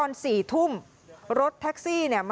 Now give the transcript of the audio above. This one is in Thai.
เยี่ยมมากครับ